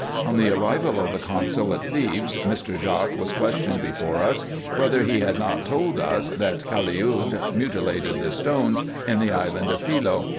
On the arrival of the consul at Thebes, Mr. Jaques was questioned before us, whether he had not told us, that Caliud mutilated the stones in the island of Philce.